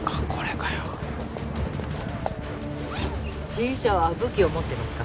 被疑者は武器を持っていますか？